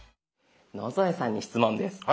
野添さんに質問です。